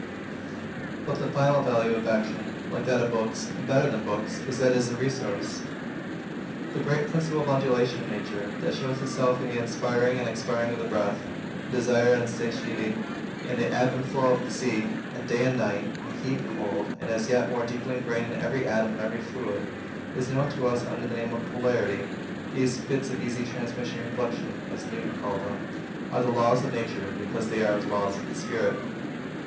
But the final value of action, like that of books, and better than books, is, that it is a resource. That great principle of Undulation in nature, that shows itself in the inspiring and expiring of the breath; in desire and satiety; in the ebb and flow of the sea; in day and night; in heat and cold; and as yet more deeply ingrained in every atom and every fluid, is known to us under the name of Polarity, these "fits of easy transmission and reflection," as Newton called them, are the law of nature because they are the law of spirit.